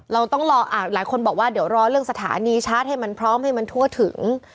เราต้องรอหลายคนบอกว่าเดี๋ยวรอเรื่องสถานีชาร์จให้มันพร้อมให้มันทั่วถึง